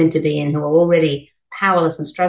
untuk perempuan yang sudah tidak berkuasa dan berjuang